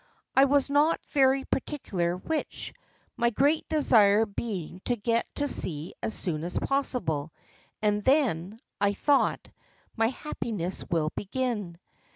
I was not very particular which, my great desire being to get to sea as soon as possible, and then, I thought, my happiness will begin.